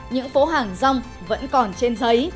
những phố hàng rong vẫn còn trên giấy